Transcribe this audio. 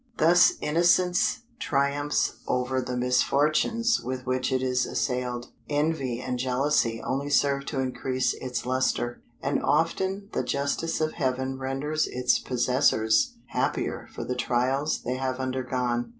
Thus innocence triumphs over the misfortunes with which it is assailed. Envy and jealousy only serve to increase its lustre; and often the justice of Heaven renders its possessors happier for the trials they have undergone.